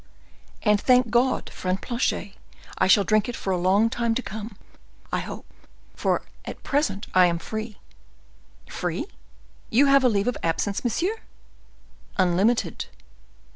"And, thank God, friend Planchet, I shall drink it for a long time to come, I hope; for at present I am free." "Free? You have a leave of absence, monsieur?" "Unlimited."